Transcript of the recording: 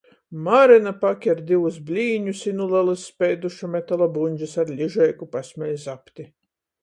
Maryna paker divus blīņus i nu lelys speiduša metala buņdžys ar ližeiku pasmeļ zapti.